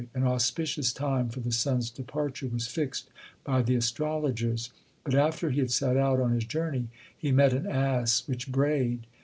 An auspicious time for the son s departure was fixed by the astrologers, but after he had set out on his journey, he met an ass which brayed.